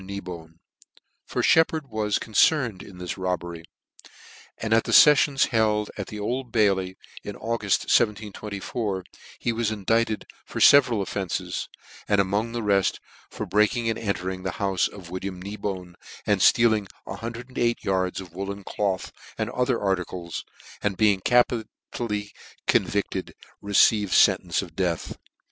Kneebone; tor Sheppard was concerned m this robbery, and at the ieffions held ac the Old Bailey in Auguft, 1724, he was indicted for fe veral offences, and among the reft, for breaking and entering the hoiffe of William Kneebone, and ftealing 108 yards of woollen cloth, and other articles, and being capitally convicted, received ientence of death.